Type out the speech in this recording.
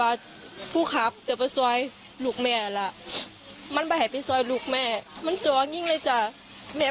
อายุ๑๐ปีนะฮะเขาบอกว่าเขาก็เห็นถูกยิงนะครับ